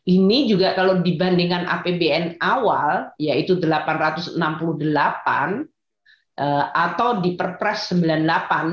ini juga kalau dibandingkan apbn awal yaitu rp delapan ratus enam puluh delapan triliun atau di perpres sembilan puluh delapan tahun dua ribu dua puluh dua